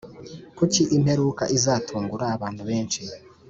Kuki imperuka izatungura abantu benshi